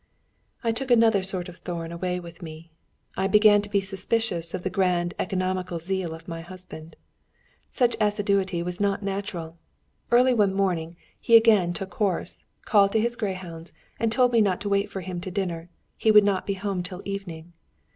"I took another sort of thorn away with me. I began to be suspicious of the grand economical zeal of my husband. Such assiduity was not natural. Early one morning he again took horse, called to his greyhounds, and told me not to wait for him to dinner, he would not be home till evening.